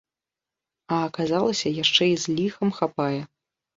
А аказалася, яшчэ і з ліхам хапае!